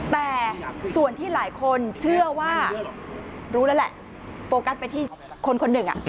แต่ส่วนที่หลายคนเชื่อว่ารู้แล้วแหละโฟกัสไปที่คนคนหนึ่ง